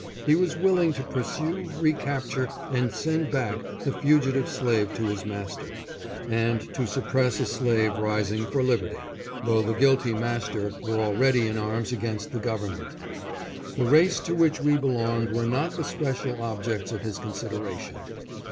He was willing to pursue, recap ture, and send back the fugitive slave to his master, and to suppress a slave rising for liberty, though the guilty master were already in arms against the Government. The race to which we belong were not the special objects of his consideration.